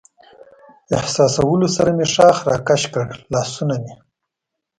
احساسولو سره مې ښاخ را کش کړل، لاسونه مې.